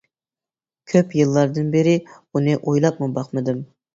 كۆپ يىللاردىن بېرى ئۇنى ئويلاپمۇ باقمىدىم.